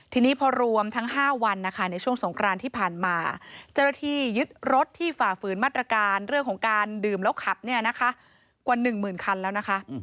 ทีนี้พอรวมทั้ง๕วันนะคะในช่วงสงครานที่ผ่านมาเจ้าหน้าที่ยึดรถที่ฝ่าฝืนมาตรการเรื่องของการดื่มแล้วขับเนี่ยนะคะกว่า๑หมื่นคันแล้วนะคะ